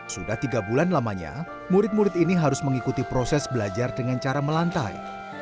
sudah tiga bulan lamanya murid murid ini harus mengikuti proses belajar dengan cara melantai